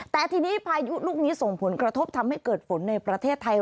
แต่ทีนี้พายุลูกนี้ส่งผลกระทบทำให้เกิดฝนในประเทศไทย